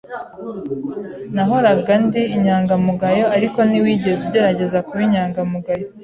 Nahoraga ndi inyangamugayo, ariko ntiwigeze ugerageza kuba inyangamugayo.